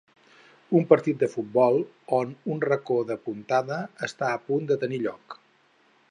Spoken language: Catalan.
Un partit de futbol on un racó de puntada està a punt de tenir lloc.